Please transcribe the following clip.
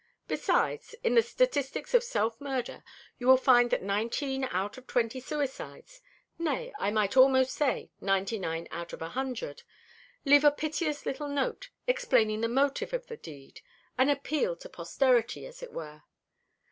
Besides, in the statistics of self murder you will find that nineteen out of twenty suicides nay, I might almost say ninety nine out of a hundred leave a piteous little note explaining the motive of the deed an appeal to posterity, as it were.